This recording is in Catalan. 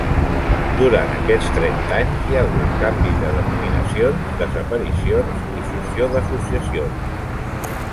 Durant aquests trenta anys hi ha hagut canvis de denominacions, desaparicions i fusió d'associacions.